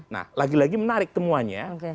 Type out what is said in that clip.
nah lagi lagi menarik temuannya